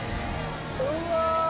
うわ！